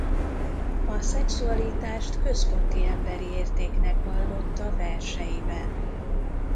A szexualitást központi emberi értéknek vallotta verseiben.